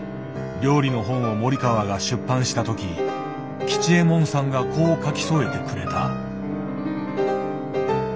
料理の本を森川が出版した時吉右衛門さんがこう書き添えてくれた。